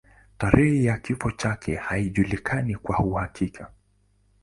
Tarehe ya kifo chake haijulikani kwa uhakika.